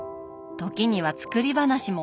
時には作り話も。